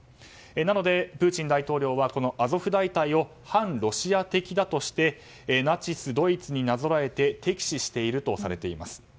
なので、プーチン大統領はこのアゾフ大隊を反ロシア的だとしてナチスドイツになぞらえて敵視しているとされています。